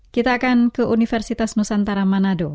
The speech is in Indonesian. kita akan ke universitas nusantara manado